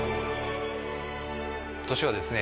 今年はですね